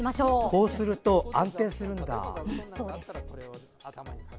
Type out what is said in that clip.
こすると安定するんだ。